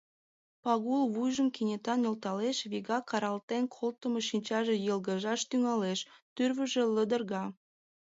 Пагул вуйжым кенета нӧлталеш, вигак каралтен колтымо шинчаже йылгыжаш тӱҥалеш, тӱрвыжӧ лыдырга.